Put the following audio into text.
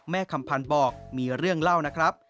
คำพันธ์บอกมีเรื่องเล่านะครับ